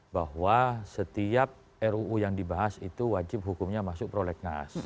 bahwa setiap ruu yang dibahas itu wajib hukumnya masuk prolegnas